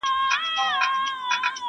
د مچانو او ډېوې یې سره څه,